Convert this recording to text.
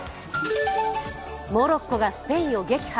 モロッコがスペインを撃破。